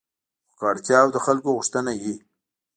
خو که اړتیا او د خلکو غوښتنه وي